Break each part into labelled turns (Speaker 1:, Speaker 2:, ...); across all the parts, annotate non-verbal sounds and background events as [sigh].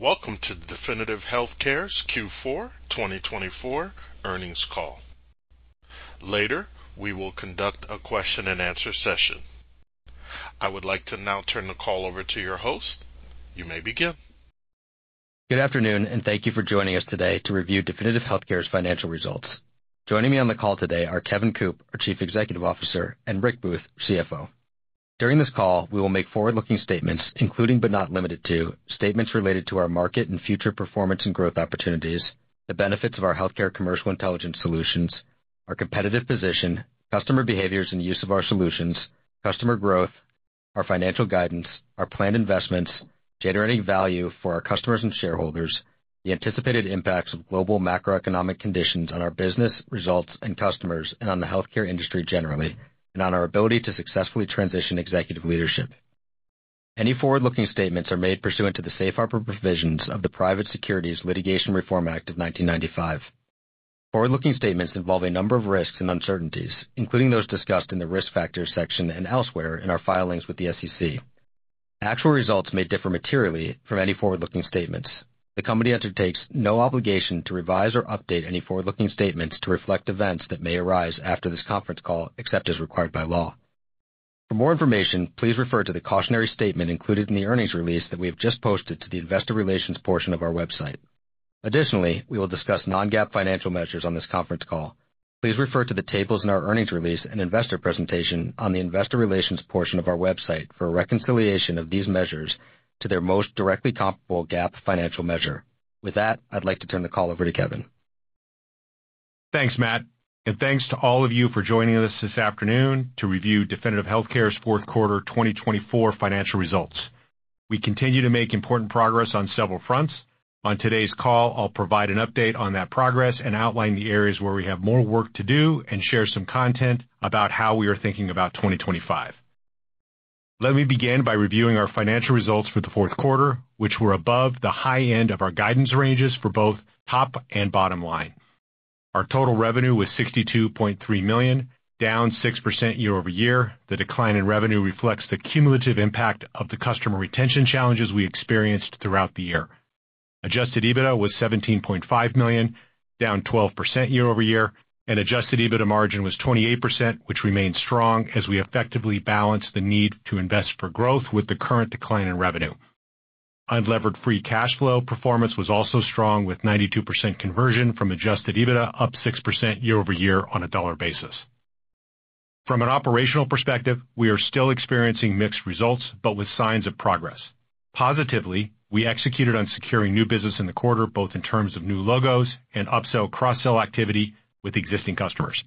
Speaker 1: Welcome to Definitive Healthcare's Q4 2024 earnings call. Later, we will conduct a question-and-answer session. I would like to now turn the call over to your host. You may begin.
Speaker 2: Good afternoon, and thank you for joining us today to review Definitive Healthcare's financial results. Joining me on the call today are Kevin Coop, our Chief Executive Officer, and Rick Booth, CFO. During this call, we will make forward-looking statements, including but not limited to statements related to our market and future performance and growth opportunities, the benefits of our healthcare commercial intelligence solutions, our competitive position, customer behaviors and use of our solutions, customer growth, our financial guidance, our planned investments, generating value for our customers and shareholders, the anticipated impacts of global macroeconomic conditions on our business, results, and customers, and on the healthcare industry generally, and on our ability to successfully transition executive leadership. Any forward-looking statements are made pursuant to the safe harbor provisions of the Private Securities Litigation Reform Act of 1995. Forward-looking statements involve a number of risks and uncertainties, including those discussed in the risk factors section and elsewhere in our filings with the SEC. Actual results may differ materially from any forward-looking statements. The company undertakes no obligation to revise or update any forward-looking statements to reflect events that may arise after this conference call, except as required by law. For more information, please refer to the cautionary statement included in the earnings release that we have just posted to the investor relations portion of our website. Additionally, we will discuss non-GAAP financial measures on this conference call. Please refer to the tables in our earnings release and investor presentation on the investor relations portion of our website for reconciliation of these measures to their most directly comparable GAAP financial measure. With that, I'd like to turn the call over to Kevin.
Speaker 3: Thanks, Matt. Thanks to all of you for joining us this afternoon to review Definitive Healthcare's fourth quarter 2024 financial results. We continue to make important progress on several fronts. On today's call, I'll provide an update on that progress and outline the areas where we have more work to do and share some content about how we are thinking about 2025. Let me begin by reviewing our financial results for the fourth quarter, which were above the high end of our guidance ranges for both top and bottom line. Our total revenue was $62.3 million, down 6% year-over-year. The decline in revenue reflects the cumulative impact of the customer retention challenges we experienced throughout the year. Adjusted EBITDA was $17.5 million, down 12% year-over-year, and adjusted EBITDA margin was 28%, which remained strong as we effectively balanced the need to invest for growth with the current decline in revenue. Unlevered free cash flow performance was also strong with 92% conversion from adjusted EBITDA, up 6% year-over-year on a dollar basis. From an operational perspective, we are still experiencing mixed results, but with signs of progress. Positively, we executed on securing new business in the quarter, both in terms of new logos and upsell cross-sell activity with existing customers.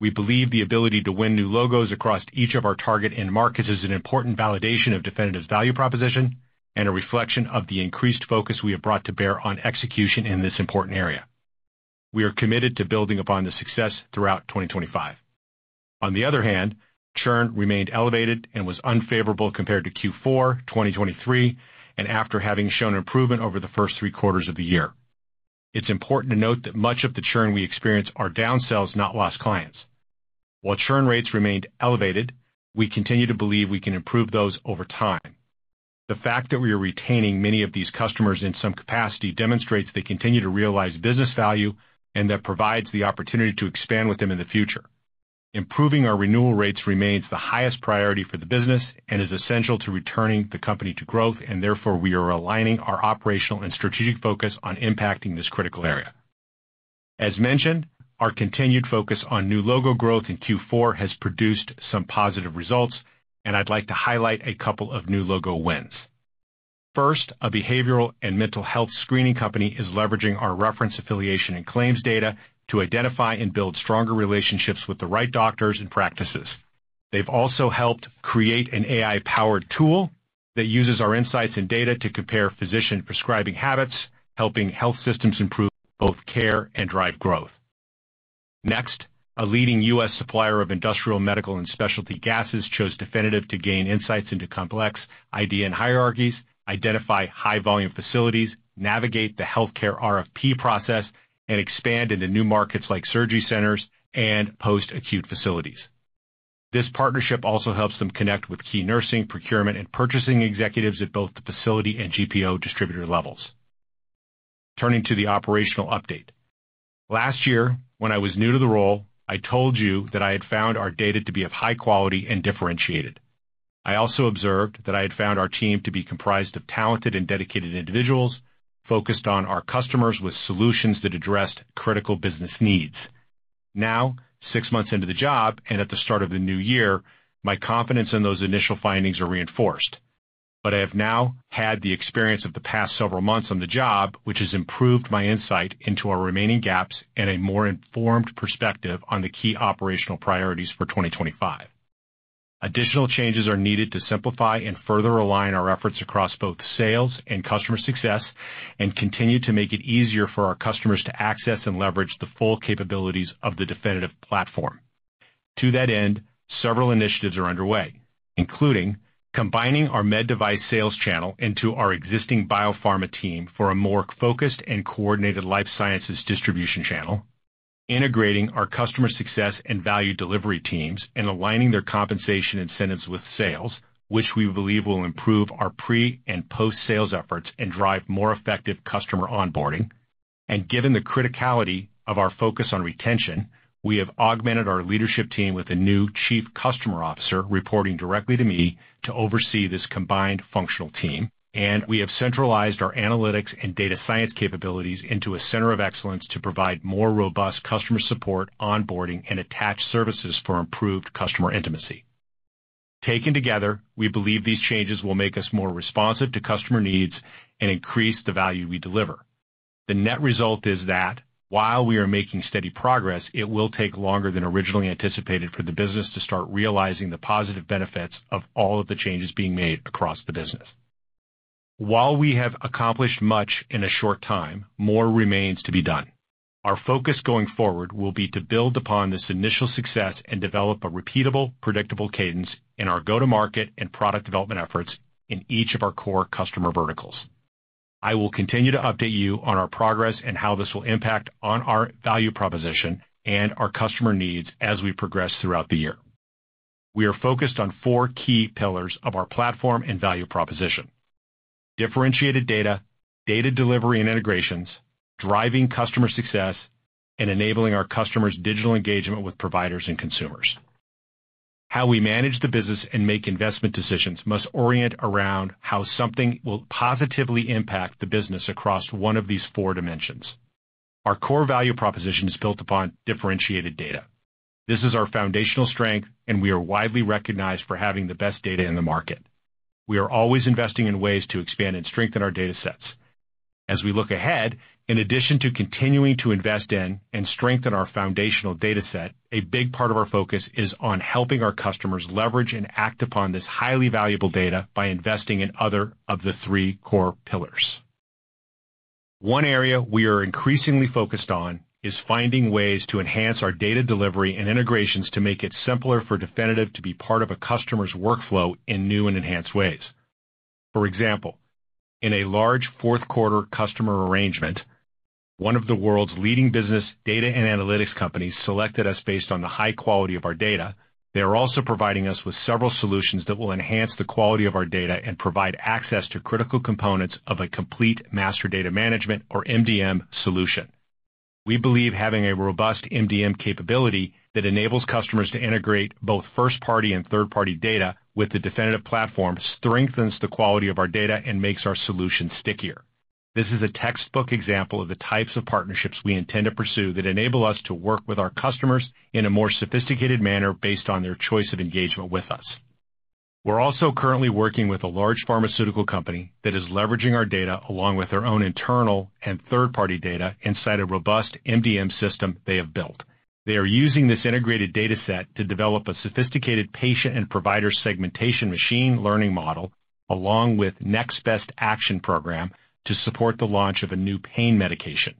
Speaker 3: We believe the ability to win new logos across each of our target end markets is an important validation of Definitive Healthcare's value proposition and a reflection of the increased focus we have brought to bear on execution in this important area. We are committed to building upon the success throughout 2025. On the other hand, churn remained elevated and was unfavorable compared to Q4 2023 and after having shown improvement over the first three quarters of the year. It's important to note that much of the churn we experienced are downsells, not lost clients. While churn rates remained elevated, we continue to believe we can improve those over time. The fact that we are retaining many of these customers in some capacity demonstrates they continue to realize business value and that provides the opportunity to expand with them in the future. Improving our renewal rates remains the highest priority for the business and is essential to returning the company to growth, and therefore we are aligning our operational and strategic focus on impacting this critical area. As mentioned, our continued focus on new logo growth in Q4 has produced some positive results, and I'd like to highlight a couple of new logo wins. First, a behavioral and mental health screening company is leveraging our reference affiliation and claims data to identify and build stronger relationships with the right doctors and practices. They've also helped create an AI-powered tool that uses our insights and data to compare physician prescribing habits, helping health systems improve both care and drive growth. Next, a leading U.S. supplier of industrial medical and specialty gases chose Definitive to gain insights into complex IDN hierarchies, identify high-volume facilities, navigate the healthcare RFP process, and expand into new markets like surgery centers and post-acute facilities. This partnership also helps them connect with key nursing, procurement, and purchasing executives at both the facility and GPO distributor levels. Turning to the operational update. Last year, when I was new to the role, I told you that I had found our data to be of high quality and differentiated. I also observed that I had found our team to be comprised of talented and dedicated individuals focused on our customers with solutions that addressed critical business needs. Now, six months into the job and at the start of the new year, my confidence in those initial findings is reinforced. I have now had the experience of the past several months on the job, which has improved my insight into our remaining gaps and a more informed perspective on the key operational priorities for 2025. Additional changes are needed to simplify and further align our efforts across both sales and customer success and continue to make it easier for our customers to access and leverage the full capabilities of the Definitive Platform. To that end, several initiatives are underway, including combining our med device sales channel into our existing biopharma team for a more focused and coordinated life sciences distribution channel, integrating our customer success and value delivery teams and aligning their compensation incentives with sales, which we believe will improve our pre- and post-sales efforts and drive more effective customer onboarding. Given the criticality of our focus on retention, we have augmented our leadership team with a new Chief Customer Officer reporting directly to me to oversee this combined functional team. We have centralized our analytics and data science capabilities into a center of excellence to provide more robust customer support, onboarding, and attached services for improved customer intimacy. Taken together, we believe these changes will make us more responsive to customer needs and increase the value we deliver. The net result is that while we are making steady progress, it will take longer than originally anticipated for the business to start realizing the positive benefits of all of the changes being made across the business. While we have accomplished much in a short time, more remains to be done. Our focus going forward will be to build upon this initial success and develop a repeatable, predictable cadence in our go-to-market and product development efforts in each of our core customer verticals. I will continue to update you on our progress and how this will impact our value proposition and our customer needs as we progress throughout the year. We are focused on four key pillars of our platform and value proposition: differentiated data, data delivery and integrations, driving customer success, and enabling our customers' digital engagement with providers and consumers. How we manage the business and make investment decisions must orient around how something will positively impact the business across one of these four dimensions. Our core value proposition is built upon differentiated data. This is our foundational strength, and we are widely recognized for having the best data in the market. We are always investing in ways to expand and strengthen our data sets. As we look ahead, in addition to continuing to invest in and strengthen our foundational data set, a big part of our focus is on helping our customers leverage and act upon this highly valuable data by investing in other of the three core pillars. One area we are increasingly focused on is finding ways to enhance our data delivery and integrations to make it simpler for Definitive to be part of a customer's workflow in new and enhanced ways. For example, in a large fourth-quarter customer arrangement, one of the world's leading business data and analytics companies selected us based on the high quality of our data. They are also providing us with several solutions that will enhance the quality of our data and provide access to critical components of a complete master data management, or MDM, solution. We believe having a robust MDM capability that enables customers to integrate both first-party and third-party data with the Definitive Platform strengthens the quality of our data and makes our solution stickier. This is a textbook example of the types of partnerships we intend to pursue that enable us to work with our customers in a more sophisticated manner based on their choice of engagement with us. We're also currently working with a large pharmaceutical company that is leveraging our data along with their own internal and third-party data inside a robust MDM system they have built. They are using this integrated data set to develop a sophisticated patient and provider segmentation machine learning model along with Next Best Action program to support the launch of a new pain medication.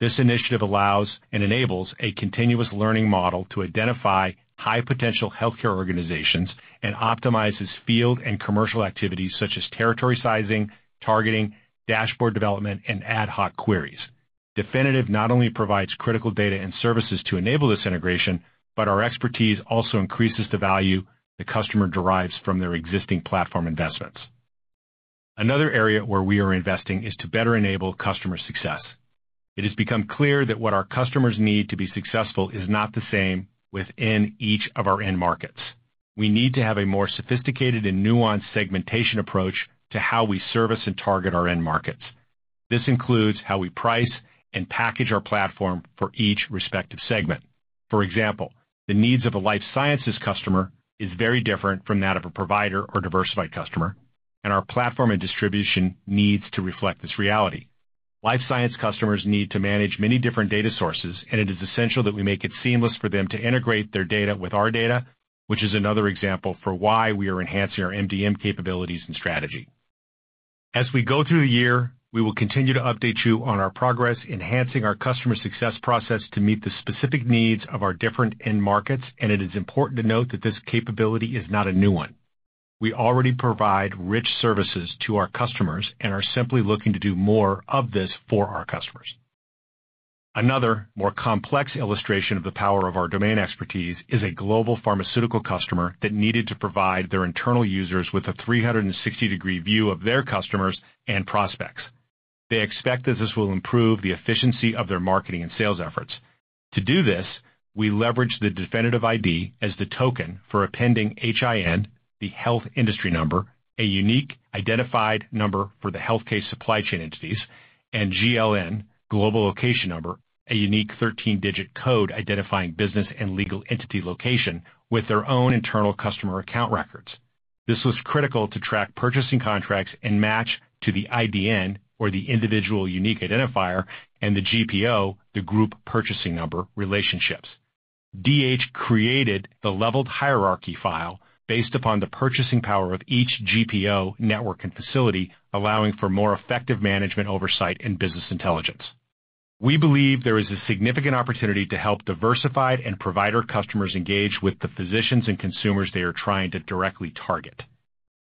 Speaker 3: This initiative allows and enables a continuous learning model to identify high-potential healthcare organizations and optimizes field and commercial activities such as territory sizing, targeting, dashboard development, and ad hoc queries. Definitive not only provides critical data and services to enable this integration, but our expertise also increases the value the customer derives from their existing platform investments. Another area where we are investing is to better enable customer success. It has become clear that what our customers need to be successful is not the same within each of our end markets. We need to have a more sophisticated and nuanced segmentation approach to how we service and target our end markets. This includes how we price and package our platform for each respective segment. For example, the needs of a life sciences customer are very different from that of a provider or diversified customer, and our platform and distribution needs to reflect this reality. Life sciences customers need to manage many different data sources, and it is essential that we make it seamless for them to integrate their data with our data, which is another example for why we are enhancing our MDM capabilities and strategy. As we go through the year, we will continue to update you on our progress, enhancing our customer success process to meet the specific needs of our different end markets, and it is important to note that this capability is not a new one. We already provide rich services to our customers and are simply looking to do more of this for our customers. Another more complex illustration of the power of our domain expertise is a global pharmaceutical customer that needed to provide their internal users with a 360-degree view of their customers and prospects. They expect that this will improve the efficiency of their marketing and sales efforts. To do this, we leverage the Definitive ID as the token for a pending HIN, the health industry number, a unique identified number for the healthcare supply chain entities, and GLN, global location number, a unique 13-digit code identifying business and legal entity location with their own internal customer account records. This was critical to track purchasing contracts and match to the IDN, or the individual unique identifier, and the GPO, the group purchasing number relationships. Definitive Healthcare created the leveled hierarchy file based upon the purchasing power of each GPO, network, and facility, allowing for more effective management oversight and business intelligence. We believe there is a significant opportunity to help diversified and provider customers engage with the physicians and consumers they are trying to directly target.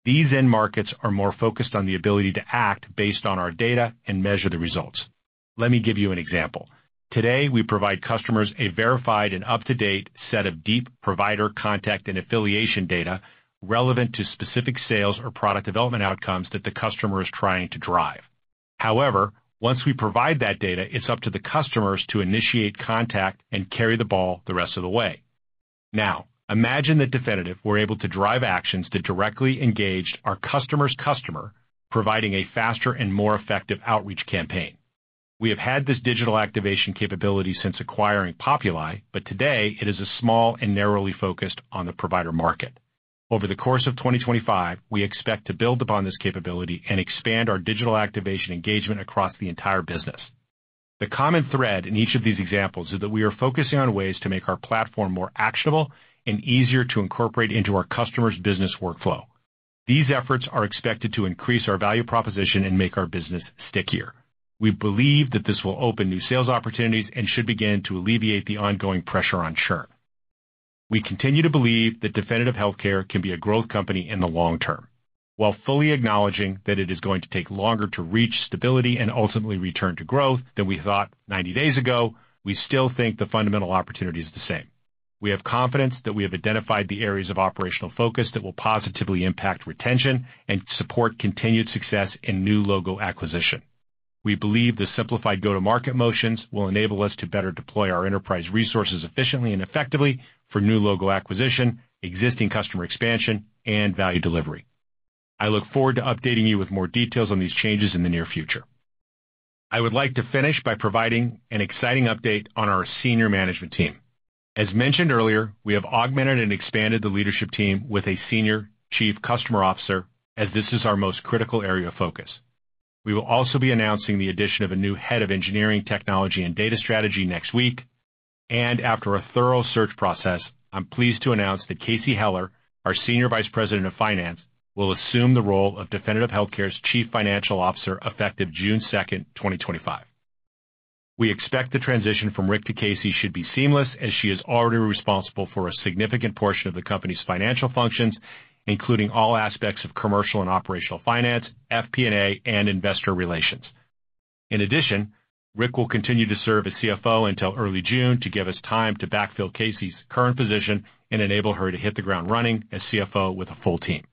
Speaker 3: These end markets are more focused on the ability to act based on our data and measure the results. Let me give you an example. Today, we provide customers a verified and up-to-date set of deep provider contact and affiliation data relevant to specific sales or product development outcomes that the customer is trying to drive. However, once we provide that data, it's up to the customers to initiate contact and carry the ball the rest of the way. Now, imagine that Definitive Healthcare were able to drive actions that directly engaged our customer's customer, providing a faster and more effective outreach campaign. We have had this digital activation capability since acquiring Populi, but today it is small and narrowly focused on the provider market. Over the course of 2025, we expect to build upon this capability and expand our digital activation engagement across the entire business. The common thread in each of these examples is that we are focusing on ways to make our platform more actionable and easier to incorporate into our customer's business workflow. These efforts are expected to increase our value proposition and make our business stickier. We believe that this will open new sales opportunities and should begin to alleviate the ongoing pressure on churn. We continue to believe that Definitive Healthcare can be a growth company in the long term. While fully acknowledging that it is going to take longer to reach stability and ultimately return to growth than we thought 90 days ago, we still think the fundamental opportunity is the same. We have confidence that we have identified the areas of operational focus that will positively impact retention and support continued success in new logo acquisition. We believe the simplified go-to-market motions will enable us to better deploy our enterprise resources efficiently and effectively for new logo acquisition, existing customer expansion, and value delivery. I look forward to updating you with more details on these changes in the near future. I would like to finish by providing an exciting update on our senior management team. As mentioned earlier, we have augmented and expanded the leadership team with a senior Chief Customer Officer, as this is our most critical area of focus. We will also be announcing the addition of a new head of engineering, technology, and data strategy next week. After a thorough search process, I'm pleased to announce that Casey Heller, our Senior Vice President of Finance, will assume the role of Definitive Healthcare's Chief Financial Officer effective June 2, 2025. We expect the transition from Rick to Casey should be seamless, as she is already responsible for a significant portion of the company's financial functions, including all aspects of commercial and operational finance, FP&A, and investor relations. In addition, Rick will continue to serve as CFO until early June to give us time to backfill Casey's current position and enable her to hit the ground running as CFO with a full team.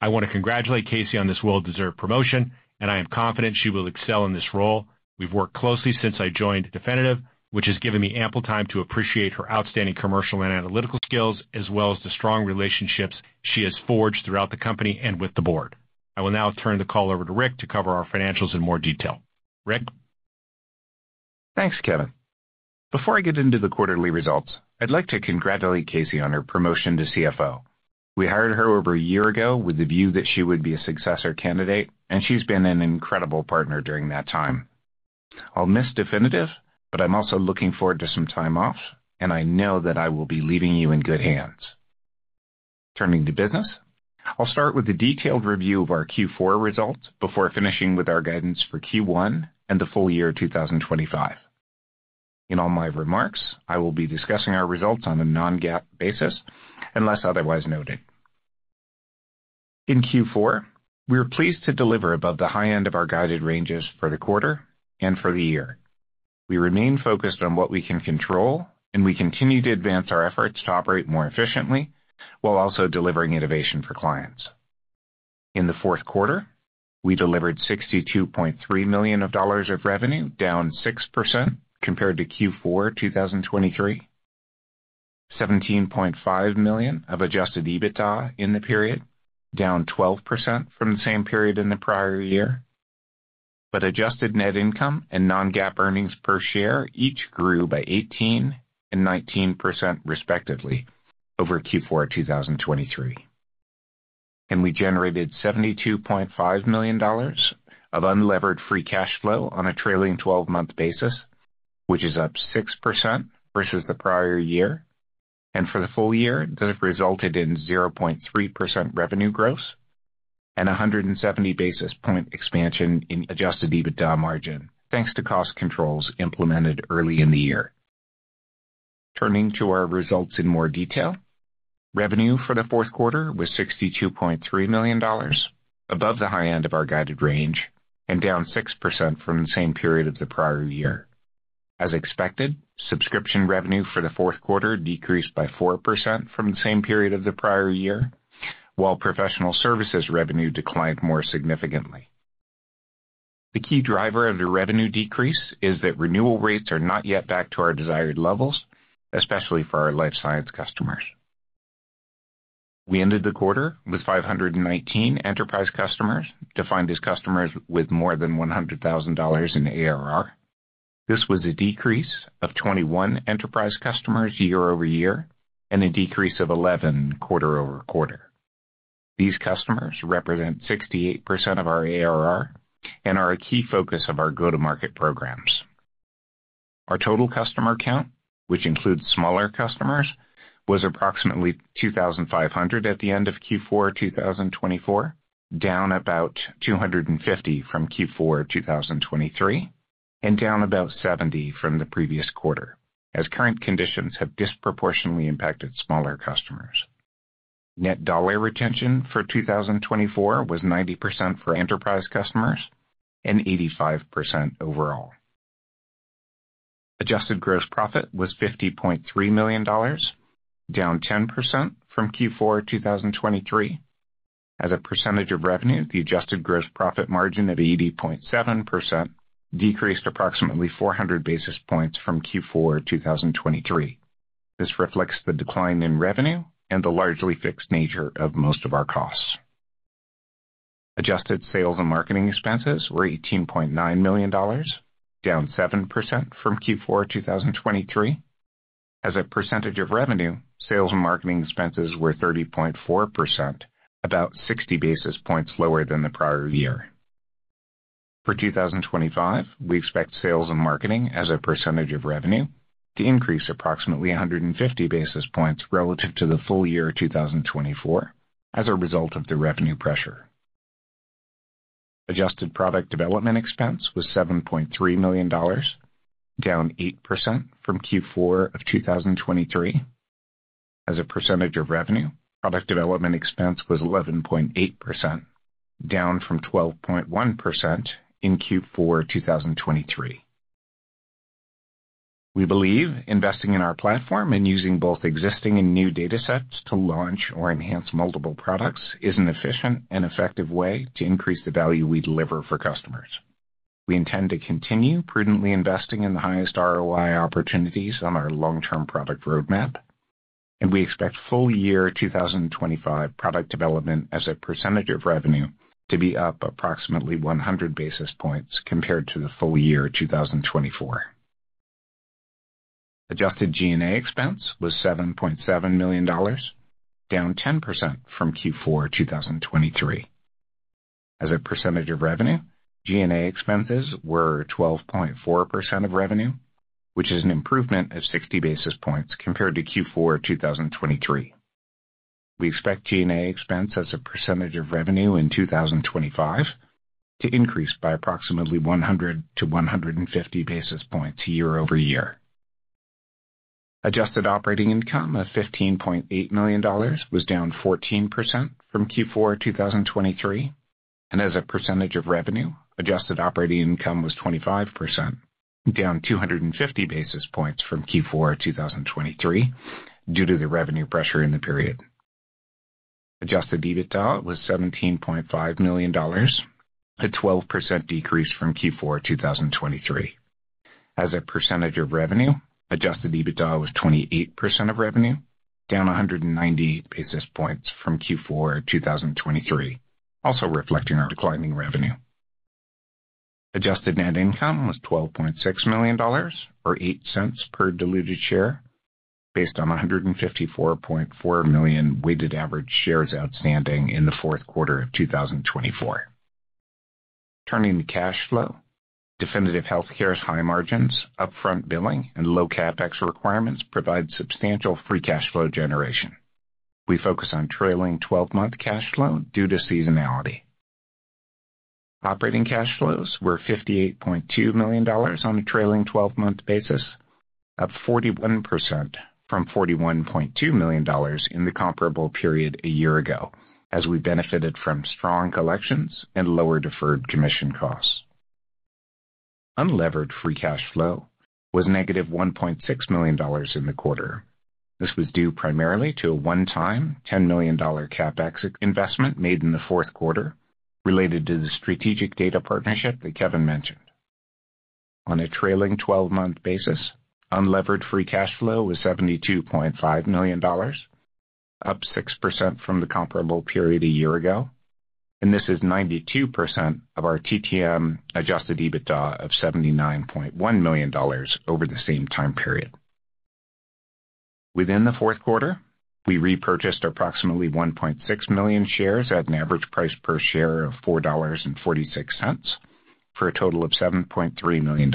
Speaker 3: I want to congratulate Casey on this well-deserved promotion, and I am confident she will excel in this role. We've worked closely since I joined Definitive Healthcare, which has given me ample time to appreciate her outstanding commercial and analytical skills, as well as the strong relationships she has forged throughout the company and with the board. I will now turn the call over to Rick to cover our financials in more detail. Rick?
Speaker 4: Thanks, Kevin. Before I get into the quarterly results, I'd like to congratulate Casey on her promotion to CFO. We hired her over a year ago with the view that she would be a successor candidate, and she's been an incredible partner during that time. I'll miss Definitive Healthcare, but I'm also looking forward to some time off, and I know that I will be leaving you in good hands. Turning to business, I'll start with a detailed review of our Q4 results before finishing with our guidance for Q1 and the full year 2025. In all my remarks, I will be discussing our results on a non-GAAP basis unless otherwise noted. In Q4, we are pleased to deliver above the high end of our guided ranges for the quarter and for the year. We remain focused on what we can control, and we continue to advance our efforts to operate more efficiently while also delivering innovation for clients. In the fourth quarter, we delivered $62.3 million of revenue, down 6% compared to Q4 2023, $17.5 million of adjusted EBITDA in the period, down 12% from the same period in the prior year. Adjusted net income and non-GAAP earnings per share each grew by 18% and 19% respectively over Q4 2023. We generated $72.5 million of unlevered free cash flow on a trailing 12-month basis, which is up 6% versus the prior year. For the full year, that has resulted in 0.3% revenue growth and 170 basis point expansion in adjusted EBITDA margin, thanks to cost controls implemented early in the year. Turning to our results in more detail, revenue for the fourth quarter was $62.3 million, above the high end of our guided range and down 6% from the same period of the prior year. As expected, subscription revenue for the fourth quarter decreased by 4% from the same period of the prior year, while professional services revenue declined more significantly. The key driver of the revenue decrease is that renewal rates are not yet back to our desired levels, especially for our life sciences customers. We ended the quarter with 519 enterprise customers defined as customers with more than $100,000 in ARR. This was a decrease of 21 enterprise customers year-over-year and a decrease of 11 quarter-over-quarter. These customers represent 68% of our ARR and are a key focus of our go-to-market programs. Our total customer count, which includes smaller customers, was approximately 2,500 at the end of Q4 2024, down about 250 from Q4 2023, and down about 70 from the previous quarter, as current conditions have disproportionately impacted smaller customers. Net dollar retention for 2024 was 90% for enterprise customers and 85% overall. Adjusted gross profit was $50.3 million, down 10% from Q4 2023. As a percentage of revenue, the adjusted gross profit margin of 80.7% decreased approximately 400 basis points from Q4 2023. This reflects the decline in revenue and the largely fixed nature of most of our costs. Adjusted sales and marketing expenses were $18.9 million, down 7% from Q4 2023. As a percentage of revenue, sales and marketing expenses were 30.4%, about 60 basis points lower than the prior year. For 2025, we expect sales and marketing, as a percentage of revenue, to increase approximately 150 basis points relative to the full year 2024 as a result of the revenue pressure. Adjusted product development expense was $7.3 million, down 8% from Q4 of 2023. As a percentage of revenue, product development expense was 11.8%, down from 12.1% in Q4 2023. We believe investing in our platform and using both existing and new data sets to launch or enhance multiple products is an efficient and effective way to increase the value we deliver for customers. We intend to continue prudently investing in the highest ROI opportunities on our long-term product roadmap, and we expect full year 2025 product development, as a percentage of revenue, to be up approximately 100 basis points compared to the full year 2024. Adjusted G&A expense was $7.7 million, down 10% from Q4 2023. As a percentage of revenue, G&A expenses were 12.4% of revenue, which is an improvement of 60 basis points compared to Q4 2023. We expect G&A expense, as a percentage of revenue in 2025, to increase by approximately 100-150 basis points year-over-year. Adjusted operating income of $15.8 million was down 14% from Q4 2023, and as a percentage of revenue, adjusted operating income was 25%, down 250 basis points from Q4 2023 due to the revenue pressure in the period. Adjusted EBITDA was $17.5 million, a 12% decrease from Q4 2023. As a percentage of revenue, adjusted EBITDA was 28% of revenue, down 190 basis points from Q4 2023, also reflecting our declining revenue. Adjusted net income was $12.6, or $0.08 per diluted share, based on 154.4 million weighted average shares outstanding in the fourth quarter of 2024. Turning to cash flow, Definitive Healthcare's high margins, upfront billing, and low CapEx requirements provide substantial free cash flow generation. We focus on trailing 12-month cash flow due to seasonality. Operating cash flows were $58.2 million on a trailing 12-month basis, up 41% from $41.2 million in the comparable period a year ago, as we benefited from strong collections and lower deferred commission costs. Unlevered free cash flow was negative $1.6 million in the quarter. This was due primarily to a one-time $10 million CapEx investment made in the fourth quarter related to the strategic data partnership that Kevin mentioned. On a trailing 12-month basis, unlevered free cash flow was $72.5 million, up 6% from the comparable period a year ago, and this is 92% of our TTM adjusted EBITDA of $79.1 million over the same time period. Within the fourth quarter, we repurchased approximately 1.6 million shares at an average price per share of $4.46 for a total of $7.3 million.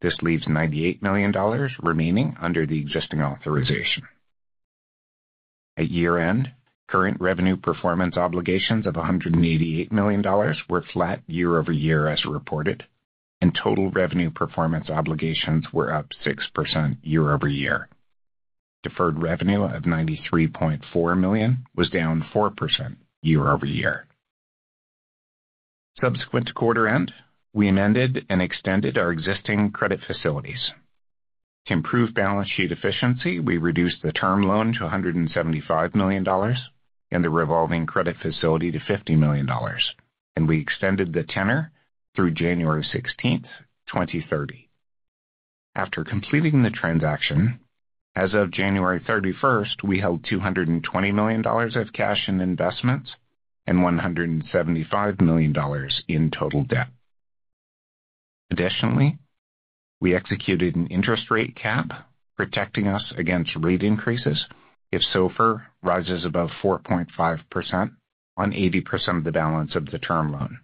Speaker 4: This leaves $98 million remaining under the existing authorization. At year-end, current revenue performance obligations of $188 million were flat year-over-year as reported, and total revenue performance obligations were up 6% year-over-year. Deferred revenue of $93.4 million was down 4% year-over-year. Subsequent to quarter-end, we amended and extended our existing credit facilities. To improve balance sheet efficiency, we reduced the term loan to $175 million and the revolving credit facility to $50 million, and we extended the tenor through January 16th, 2030. After completing the transaction, as of January 31st, we held $220 million of cash and investments and $175 million in total debt. Additionally, we executed an interest rate cap, protecting us against rate increases if SOFR rises above 4.5% on 80% of the balance of the term loan.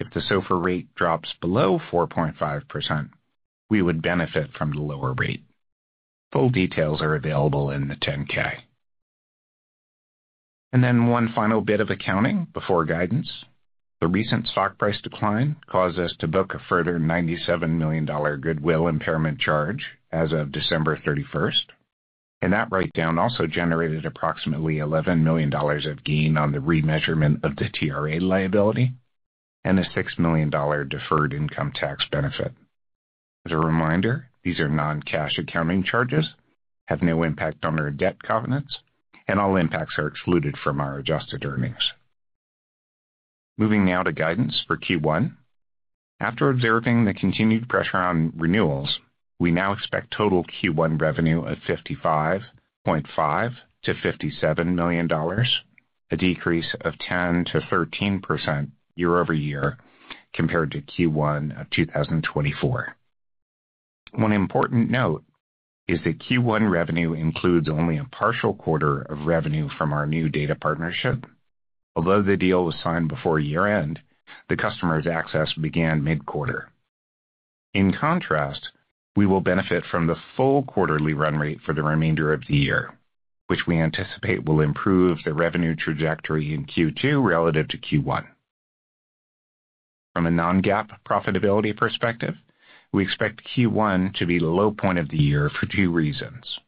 Speaker 4: If the SOFR rate drops below 4.5%, we would benefit from the lower rate. Full details are available in the 10-K. One final bit of accounting before guidance. The recent stock price decline caused us to book a further $97 million goodwill impairment charge as of December 31, and that write-down also generated approximately $11 million of gain on the remeasurement of the TRA liability and a $6 million deferred income tax benefit. As a reminder, these are non-cash accounting charges, have no impact on our debt covenants, and all impacts are excluded from our adjusted earnings. Moving now to guidance for Q1. After observing the continued pressure on renewals, we now expect total Q1 revenue of $55.5 million-$57 million, a decrease of 10%-13% year-over-year compared to Q1 of 2024. One important note is that Q1 revenue includes only a partial quarter of revenue from our new data partnership. Although the deal was signed before year-end, the customers' access began mid-quarter. In contrast, we will benefit from the full quarterly run rate for the remainder of the year, which we anticipate will improve the revenue trajectory in Q2 relative to Q1. From a non-GAAP profitability perspective, we expect Q1 to be the low point of the year for two reasons.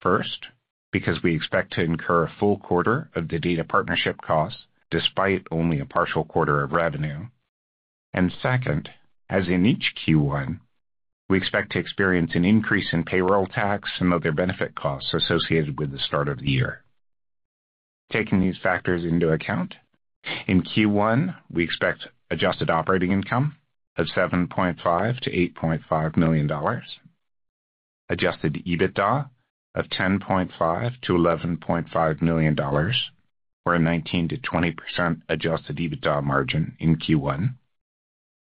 Speaker 4: First, because we expect to incur a full quarter of the data partnership costs despite only a partial quarter of revenue. Second, as in each Q1, we expect to experience an increase in payroll tax and other benefit costs associated with the start of the year. Taking these factors into account, in Q1, we expect adjusted operating income of $7.5-$8.5 million, adjusted EBITDA of $10.5-$11.5 million, or a 19%-20% adjusted EBITDA margin in Q1,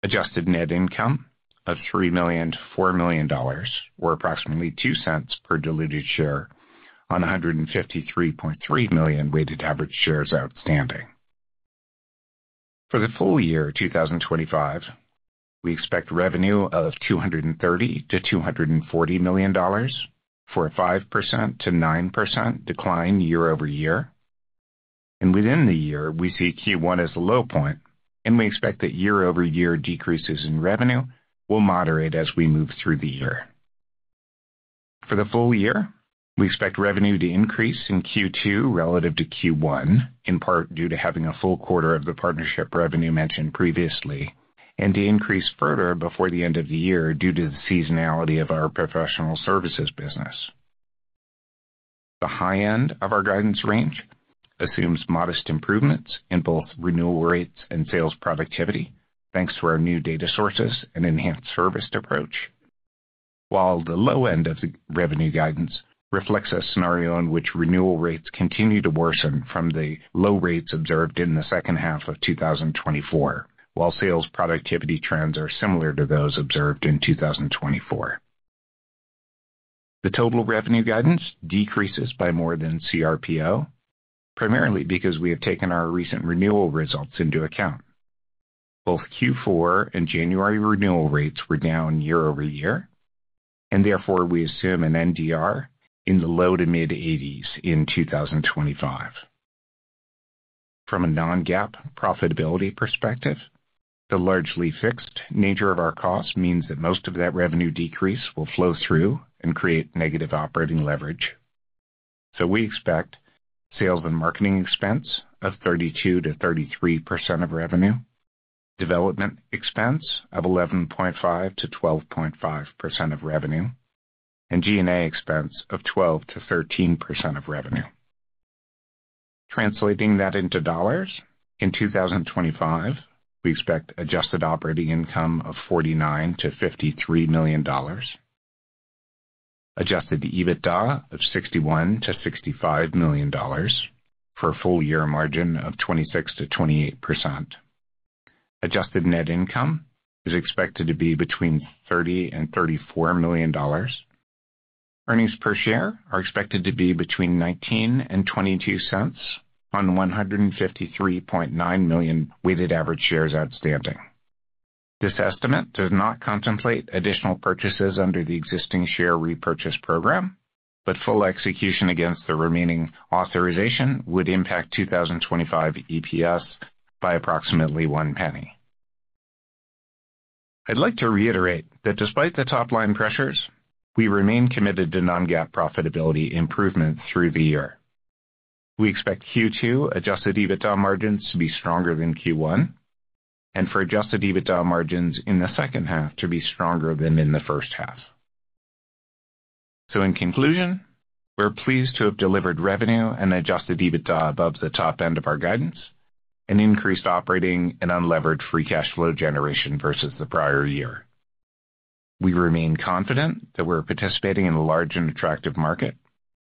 Speaker 4: adjusted net income of $3 million-$4 million, or approximately $0.02 per diluted share on $153.3 million weighted average shares outstanding. For the full year 2025, we expect revenue of $230-$240 million for a 5%-9% decline year-over-year. Within the year, we see Q1 as a low point, and we expect that year-over-year decreases in revenue will moderate as we move through the year. For the full year, we expect revenue to increase in Q2 relative to Q1, in part due to having a full quarter of the partnership revenue mentioned previously, and to increase further before the end of the year due to the seasonality of our professional services business. The high end of our guidance range assumes modest improvements in both renewal rates and sales productivity, thanks to our new data sources and enhanced service approach, while the low end of the revenue guidance reflects a scenario in which renewal rates continue to worsen from the low rates observed in the second half of 2024, while sales productivity trends are similar to those observed in 2024. The total revenue guidance decreases by more than CRPO, primarily because we have taken our recent renewal results into account. Both Q4 and January renewal rates were down year-over-year, and therefore we assume an NDR in the low to mid-80s in 2025. From a non-GAAP profitability perspective, the largely fixed nature of our costs means that most of that revenue decrease will flow through and create negative operating leverage. We expect sales and marketing expense of 32%-33% of revenue, development expense of 11.5%-12.5% of revenue, and G&A expense of 12%-13% of revenue. Translating that into dollars, in 2025, we expect adjusted operating income of $49-$53 million, adjusted EBITDA of $61-$65 million for a full year margin of 26%-28%. Adjusted net income is expected to be between $30 and $34 million. Earnings per share are expected to be between $0.19 and $0.22 on 153.9 million weighted average shares outstanding. This estimate does not contemplate additional purchases under the existing share repurchase program, but full execution against the remaining authorization would impact 2025 EPS by approximately one penny. I'd like to reiterate that despite the top-line pressures, we remain committed to non-GAAP profitability improvement through the year. We expect Q2 adjusted EBITDA margins to be stronger than Q1, and for adjusted EBITDA margins in the second half to be stronger than in the first half. In conclusion, we're pleased to have delivered revenue and adjusted EBITDA above the top end of our guidance and increased operating and unlevered free cash flow generation versus the prior year. We remain confident that we're participating in a large and attractive market,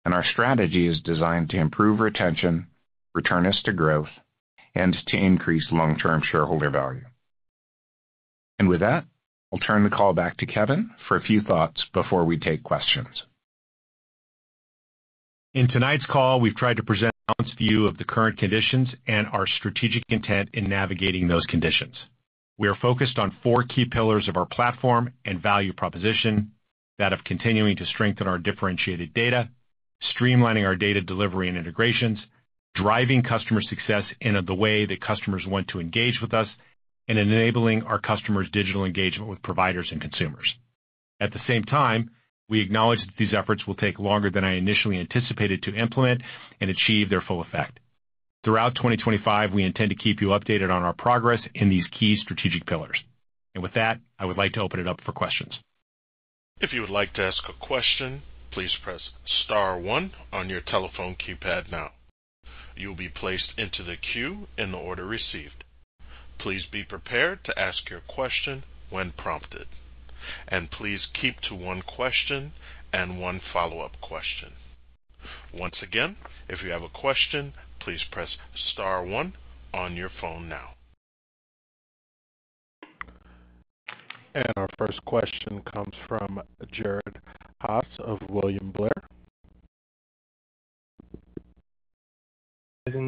Speaker 4: and our strategy is designed to improve retention, return us to growth, and to increase long-term shareholder value. With that, I'll turn the call back to Kevin for a few thoughts before we take questions.
Speaker 3: In tonight's call, we've tried to present a balanced view of the current conditions and our strategic intent in navigating those conditions. We are focused on four key pillars of our platform and value proposition that have continued to strengthen our differentiated data, streamlining our data delivery and integrations, driving customer success in the way that customers want to engage with us, and enabling our customers' digital engagement with providers and consumers. At the same time, we acknowledge that these efforts will take longer than I initially anticipated to implement and achieve their full effect. Throughout 2025, we intend to keep you updated on our progress in these key strategic pillars. With that, I would like to open it up for questions.
Speaker 1: If you would like to ask a question, please press star one on your telephone keypad now. You'll be placed into the queue in the order received. Please be prepared to ask your question when prompted, and please keep to one question and one follow-up question. Once again, if you have a question, please press star one on your phone now. Our first question comes from Jared Haase of William Blair.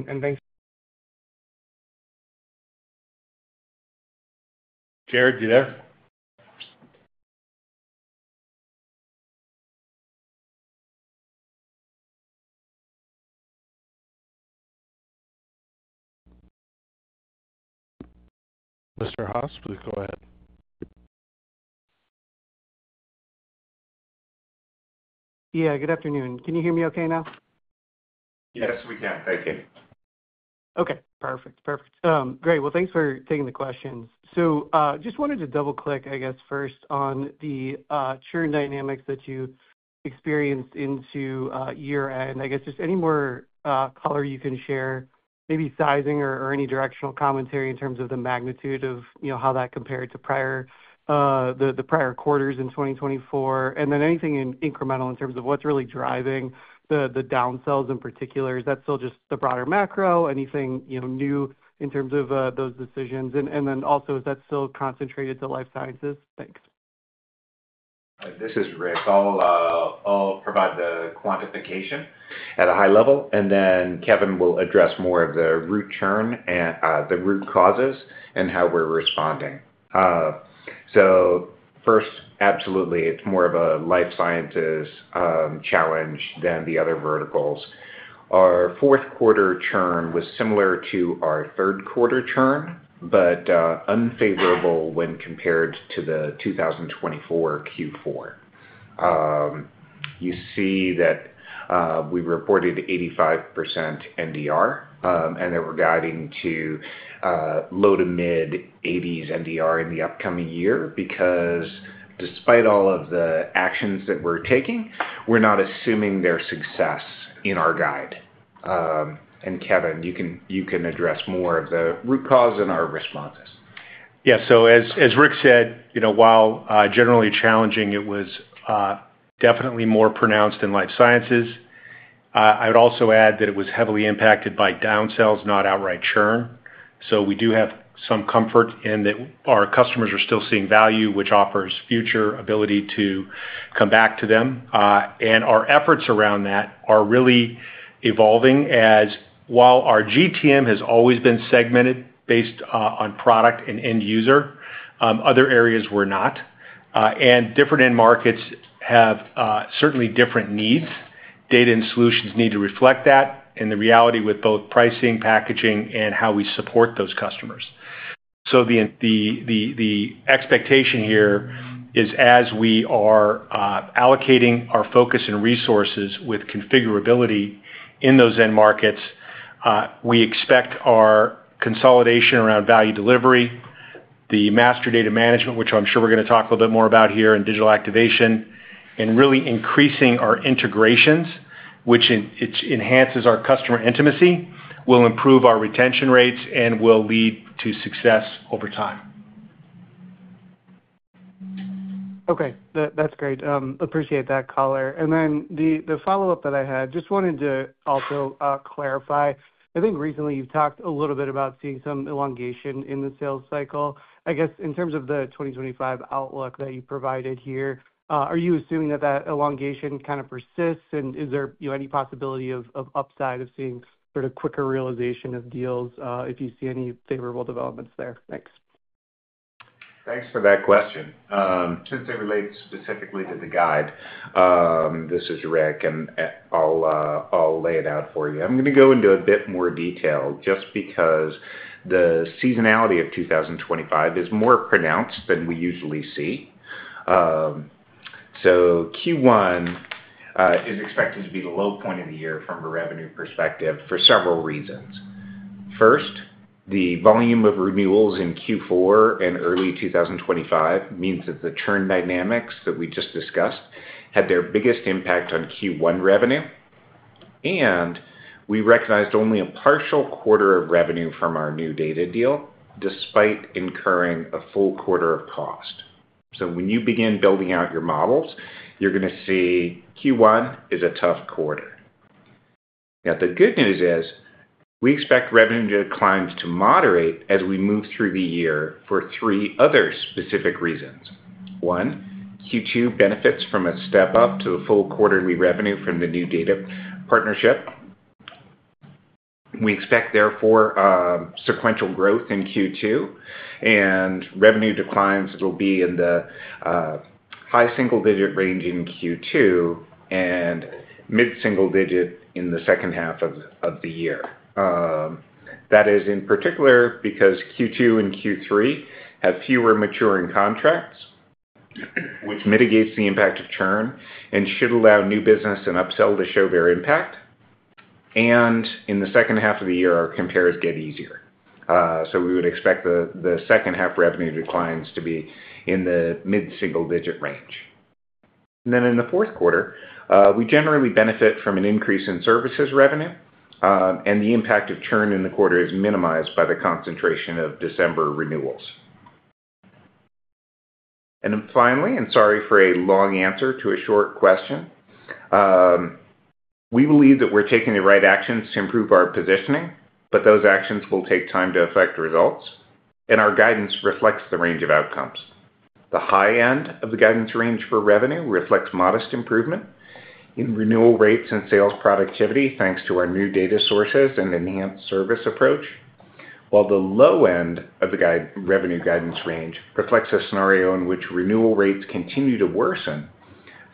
Speaker 5: [crosstalk]
Speaker 1: Jared, you there? Mr. Haase, please go ahead.
Speaker 5: Yeah, good afternoon. Can you hear me okay now?
Speaker 3: Yes, we can. Thank you.
Speaker 5: Okay. Perfect. Perfect. Great. Thanks for taking the questions. I just wanted to double-click, I guess, first on the churn dynamics that you experienced into year-end. I guess just any more color you can share, maybe sizing or any directional commentary in terms of the magnitude of how that compared to the prior quarters in 2024. Anything incremental in terms of what's really driving the downsells in particular. Is that still just the broader macro? Anything new in terms of those decisions? Also, is that still concentrated to life sciences? Thanks.
Speaker 4: This is Rick. I'll provide the quantification at a high level, and Kevin will address more of the root churn and the root causes and how we're responding. First, absolutely, it's more of a life sciences challenge than the other verticals. Our fourth quarter churn was similar to our third quarter churn, but unfavorable when compared to the 2024 Q4. You see that we reported 85% NDR, and they were guiding to low to mid-80s NDR in the upcoming year because despite all of the actions that we're taking, we're not assuming their success in our guide. Kevin, you can address more of the root cause and our responses.
Speaker 3: Yeah. As Rick said, while generally challenging, it was definitely more pronounced in life sciences. I would also add that it was heavily impacted by downsells, not outright churn. We do have some comfort in that our customers are still seeing value, which offers future ability to come back to them. Our efforts around that are really evolving as while our GTM has always been segmented based on product and end user, other areas were not. Different end markets have certainly different needs. Data and solutions need to reflect that in the reality with both pricing, packaging, and how we support those customers. The expectation here is as we are allocating our focus and resources with configurability in those end markets, we expect our consolidation around value delivery, the master data management, which I'm sure we're going to talk a little bit more about here in digital activation, and really increasing our integrations, which enhances our customer intimacy, will improve our retention rates, and will lead to success over time.
Speaker 5: Okay. That's great. Appreciate that, color. The follow-up that I had, just wanted to also clarify. I think recently you've talked a little bit about seeing some elongation in the sales cycle. I guess in terms of the 2025 outlook that you provided here, are you assuming that that elongation kind of persists, and is there any possibility of upside of seeing sort of quicker realization of deals if you see any favorable developments there? Thanks.
Speaker 4: Thanks for that question. Since it relates specifically to the guide, this is Rick, and I'll lay it out for you. I'm going to go into a bit more detail just because the seasonality of 2025 is more pronounced than we usually see. Q1 is expected to be the low point of the year from a revenue perspective for several reasons. First, the volume of renewals in Q4 and early 2025 means that the churn dynamics that we just discussed had their biggest impact on Q1 revenue. We recognized only a partial quarter of revenue from our new data deal despite incurring a full quarter of cost. When you begin building out your models, you're going to see Q1 is a tough quarter. The good news is we expect revenue declines to moderate as we move through the year for three other specific reasons. One, Q2 benefits from a step-up to a full quarterly revenue from the new data partnership. We expect, therefore, sequential growth in Q2, and revenue declines will be in the high single-digit range in Q2 and mid-single digit in the second half of the year. That is in particular because Q2 and Q3 have fewer maturing contracts, which mitigates the impact of churn and should allow new business and upsell to show their impact. In the second half of the year, our compares get easier. We would expect the second-half revenue declines to be in the mid-single digit range. In the fourth quarter, we generally benefit from an increase in services revenue, and the impact of churn in the quarter is minimized by the concentration of December renewals. Finally, and sorry for a long answer to a short question, we believe that we're taking the right actions to improve our positioning, but those actions will take time to affect results, and our guidance reflects the range of outcomes. The high end of the guidance range for revenue reflects modest improvement in renewal rates and sales productivity thanks to our new data sources and enhanced service approach, while the low end of the revenue guidance range reflects a scenario in which renewal rates continue to worsen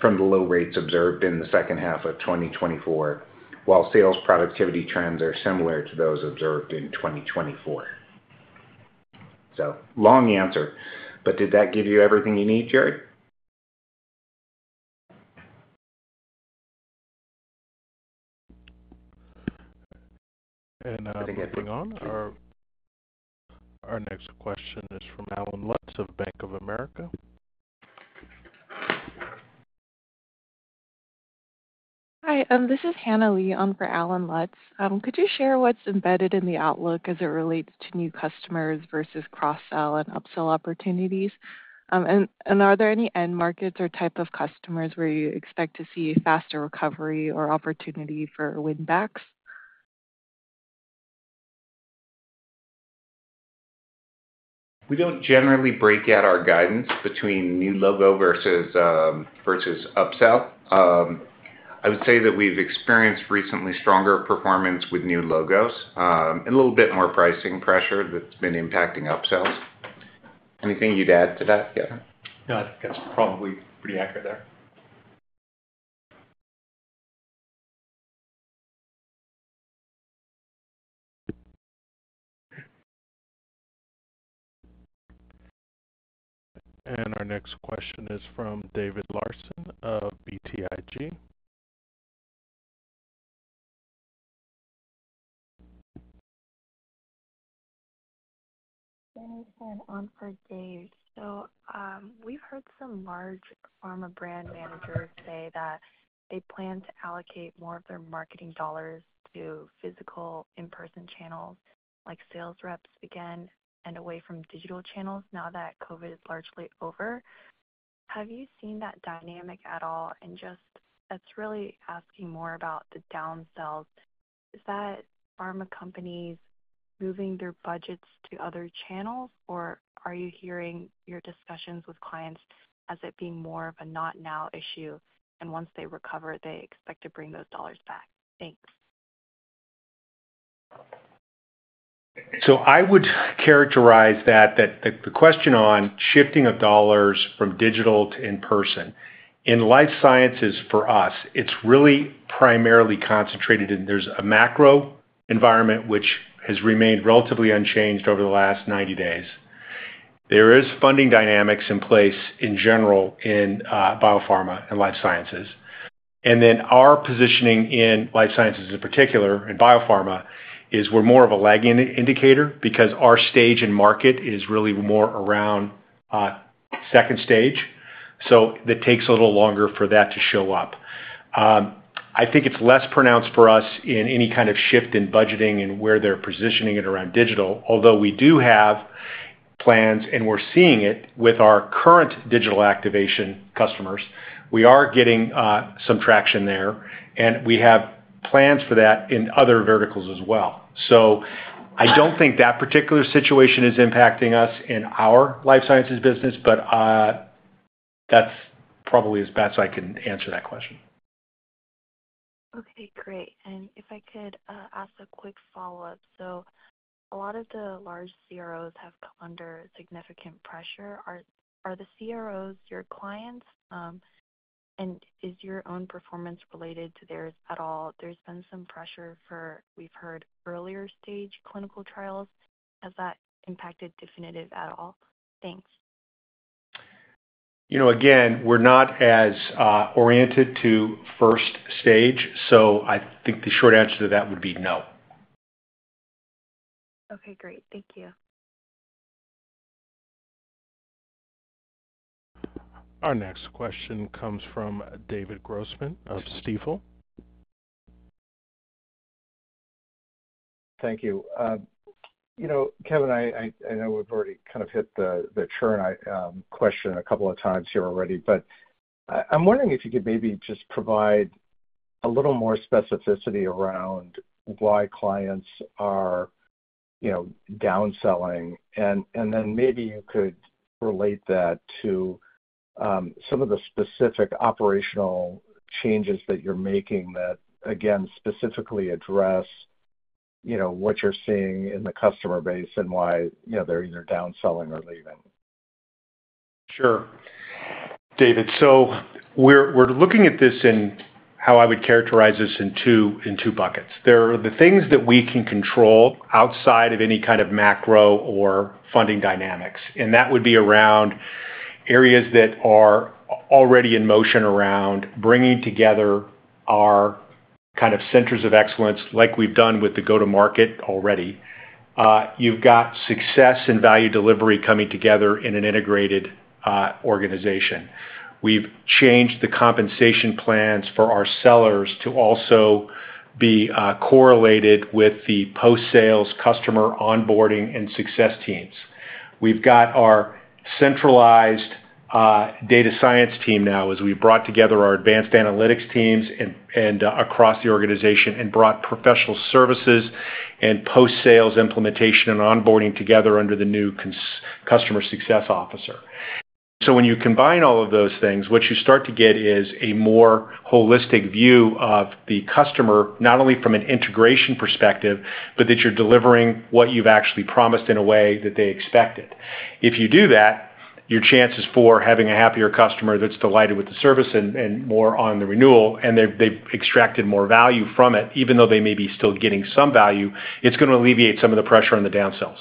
Speaker 4: from the low rates observed in the second half of 2024, while sales productivity trends are similar to those observed in 2024. Long answer, but did that give you everything you need, Jared?
Speaker 1: Moving on, our next question is from Alan Lutz of Bank of America.
Speaker 6: Hi, this is Hannah Leong for Alan Lutz. Could you share what's embedded in the outlook as it relates to new customers versus cross-sell and upsell opportunities? Are there any end markets or type of customers where you expect to see faster recovery or opportunity for win-backs?
Speaker 4: We don't generally break out our guidance between new logo versus upsell. I would say that we've experienced recently stronger performance with new logos and a little bit more pricing pressure that's been impacting upsells. Anything you'd add to that, Kevin?
Speaker 3: No, I think that's probably pretty accurate there.
Speaker 1: Our next question is from David Larson of BTIG. Jenny i'm for Dave. We have heard some large pharma brand managers say that they plan to allocate more of their marketing dollars to physical in-person channels like sales reps again and away from digital channels now that COVID is largely over. Have you seen that dynamic at all? That is really asking more about the downsells. Is that pharma companies moving their budgets to other channels, or are you hearing your discussions with clients as it being more of a not-now issue, and once they recover, they expect to bring those dollars back? Thanks.
Speaker 3: I would characterize that the question on shifting of dollars from digital to in-person. In life sciences for us, it's really primarily concentrated in there's a macro environment which has remained relatively unchanged over the last 90 days. There are funding dynamics in place in general in biopharma and life sciences. Then our positioning in life sciences in particular and biopharma is we're more of a lagging indicator because our stage and market is really more around second stage. It takes a little longer for that to show up. I think it's less pronounced for us in any kind of shift in budgeting and where they're positioning it around digital, although we do have plans and we're seeing it with our current digital activation customers. We are getting some traction there, and we have plans for that in other verticals as well. I don't think that particular situation is impacting us in our life sciences business, but that's probably as best I can answer that question. Okay. Great. If I could ask a quick follow-up. A lot of the large CROs have come under significant pressure. Are the CROs your clients? Is your own performance related to theirs at all? There's been some pressure for, we've heard, earlier stage clinical trials. Has that impacted Definitive at all? Thanks.
Speaker 4: Again, we're not as oriented to first stage, so I think the short answer to that would be no. Okay. Great. Thank you.
Speaker 1: Our next question comes from David Grossman of Stifel.
Speaker 7: Thank you. Kevin, I know we've already kind of hit the churn question a couple of times here already, but I'm wondering if you could maybe just provide a little more specificity around why clients are downselling, and then maybe you could relate that to some of the specific operational changes that you're making that, again, specifically address what you're seeing in the customer base and why they're either downselling or leaving.
Speaker 3: Sure. David, so we're looking at this in how I would characterize this in two buckets. There are the things that we can control outside of any kind of macro or funding dynamics, and that would be around areas that are already in motion around bringing together our kind of centers of excellence like we've done with the go-to-market already. You've got success and value delivery coming together in an integrated organization. We've changed the compensation plans for our sellers to also be correlated with the post-sales customer onboarding and success teams. We've got our centralized data science team now as we've brought together our advanced analytics teams across the organization and brought professional services and post-sales implementation and onboarding together under the new Customer Success Officer. When you combine all of those things, what you start to get is a more holistic view of the customer, not only from an integration perspective, but that you're delivering what you've actually promised in a way that they expect it. If you do that, your chances for having a happier customer that's delighted with the service and more on the renewal, and they've extracted more value from it, even though they may be still getting some value, it's going to alleviate some of the pressure on the downsells.